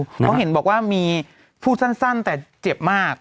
เพราะเห็นบอกว่ามีพูดสั้นแต่เจ็บมาก